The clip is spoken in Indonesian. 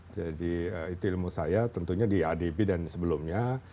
jadi itu ilmu saya tentunya di adb dan sebelumnya